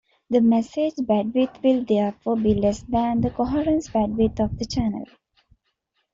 The message bandwidth will therefore be less than the coherence bandwidth of the channel.